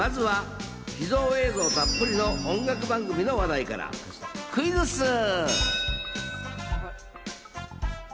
まずは秘蔵映像たっぷりの音楽番組の話題からクイズッス！